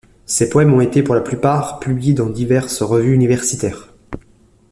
Ses poèmes ont été, pour la plupart, publiés dans diverses revues universitaires.